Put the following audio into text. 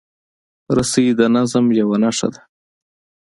رسۍ د نظم یوه نښه ده.